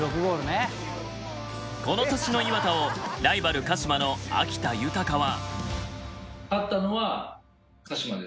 この年の磐田をライバル鹿島の秋田豊は。